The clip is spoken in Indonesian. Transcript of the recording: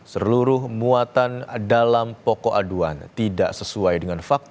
seluruh muatan dalam pokok aduan tidak sesuai dengan fakta